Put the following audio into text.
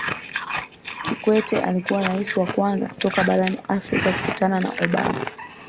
kikwete alikuwa rais wa kwanza kutoka barani afrika kukutana na obama